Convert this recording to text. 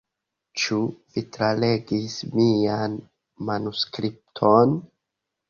Ĉu vi tralegis mian manuskripton?